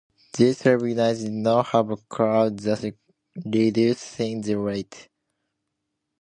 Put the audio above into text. These slave units did not have a cab, thus reducing their weight.